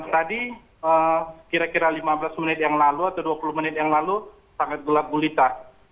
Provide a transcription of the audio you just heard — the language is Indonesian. tadi kira kira lima belas menit yang lalu atau dua puluh menit yang lalu sangat gelap gulita